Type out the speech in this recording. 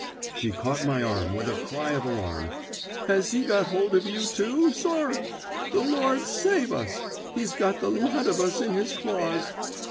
She caught my arm with a cry of alarm. "Has he got hold of you, too, sir? The Lord save us! He's got the lot of us in his claws!"